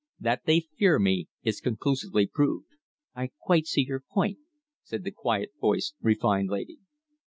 That they fear me is conclusively proved." "I quite see your point," said the quiet voiced, refined lady.